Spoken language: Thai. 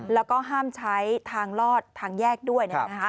แล้วก็ห้ามใช้ทางลอดทางแยกด้วย